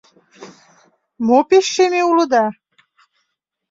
— Мо пеш шеме улыда?